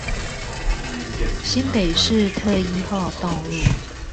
新北市特一號道路